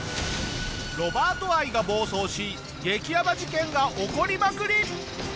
ロバート愛が暴走し激ヤバ事件が起こりまくり！